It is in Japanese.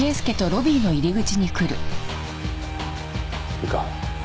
いいか。